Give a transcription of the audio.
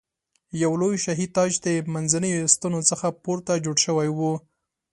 یو لوی شاهي تاج د منځنیو ستنو څخه پورته جوړ شوی و.